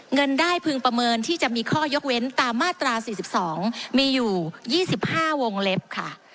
เงินได้พึงประเมินที่จะมีข้อยกเว้นตามมาตราสี่สิบสองมีอยู่ยี่สิบห้าวงเล็บค่ะ